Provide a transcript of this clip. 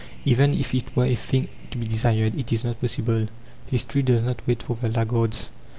Even if it were a thing to be desired, it is not possible. History does not wait for the laggards.